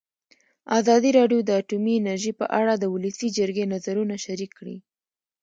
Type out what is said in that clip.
ازادي راډیو د اټومي انرژي په اړه د ولسي جرګې نظرونه شریک کړي.